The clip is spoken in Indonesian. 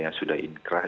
yang sudah inkrah